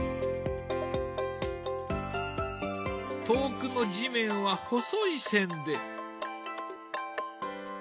遠くの地面は細い線で。